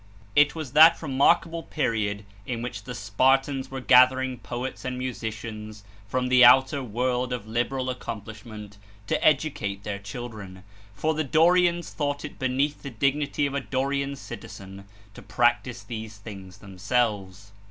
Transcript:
It was that remarkable period in which the Spartans were gathering poets and musicians from the outer world of liberal accomplishment to educate their children; for the Dorians thought it beneath the dignity of a Dorian citizen to practice these things themselves.